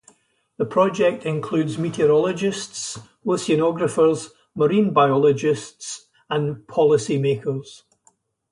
The project includes meteorologists, oceanographers, marine biologists, and policy-makers.